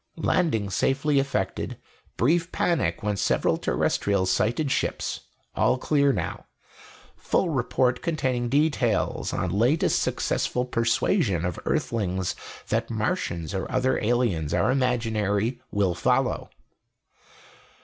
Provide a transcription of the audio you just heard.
_"Landing safely effected. Brief panic when several Terrestrials sighted ships; all clear now. Full report, containing details on latest successful persuasion of Earthlings that Martians or other aliens are imaginary, will follow."